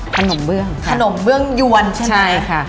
ขนมเบื้องขนมเบื้องยวนใช่มั้ยใช่ครับ